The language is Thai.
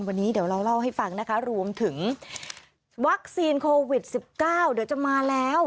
วันนี้เดี๋ยวเราเล่าให้ฟังนะคะรวมถึงวัคซีนโควิด๑๙เดี๋ยวจะมาแล้ว